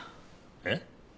えっ？